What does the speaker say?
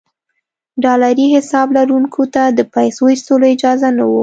ډالري حساب لرونکو ته د پیسو ایستلو اجازه نه وه.